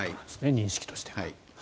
認識としては。